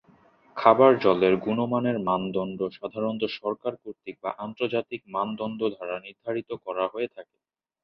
খাবার জলের গুণমানের মানদন্ড সাধারণত সরকার কর্তৃক বা আন্তর্জাতিক মানদন্ড দ্বারা নির্ধারিত করা হয়ে থাকে।